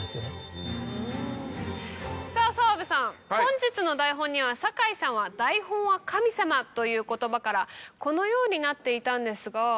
さぁ澤部さん本日の台本には堺さんは「台本は神様」という言葉からこのようになっていたんですが。